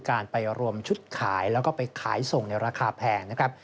การไปรวมชุดขายแล้วก็ไปขายส่งในราคาแพงนะครับ